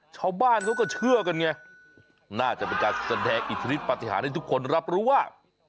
ชาวบ้านเขาก็เชื่อกันไงน่าจะเป็นการแสดงอิทธิฤทธปฏิหารให้ทุกคนรับรู้ว่า